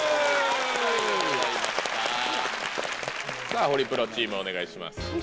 さぁホリプロチームお願いします。